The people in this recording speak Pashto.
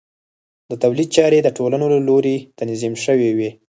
د تولید چارې د ټولنو له لوري تنظیم شوې وې.